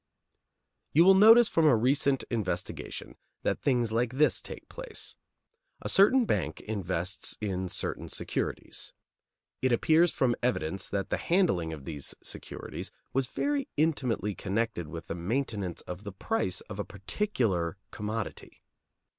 You will notice from a recent investigation that things like this take place: A certain bank invests in certain securities. It appears from evidence that the handling of these securities was very intimately connected with the maintenance of the price of a particular commodity.